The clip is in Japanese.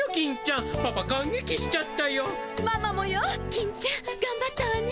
金ちゃんがんばったわね。